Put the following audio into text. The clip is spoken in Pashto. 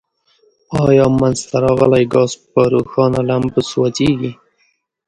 آیا منځ ته راغلی ګاز په روښانه لمبه سوځیږي؟